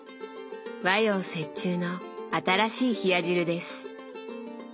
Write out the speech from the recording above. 和洋折衷の新しい冷や汁です。